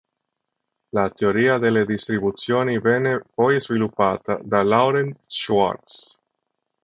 La teoria delle distribuzioni venne poi sviluppata da Laurent Schwartz.